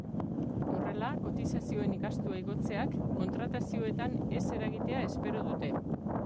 Horrela, kotizazioen gastua igotzeak kontratazioetan ez eragitea espero dute.